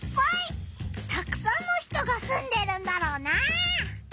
たくさんの人がすんでるんだろうな。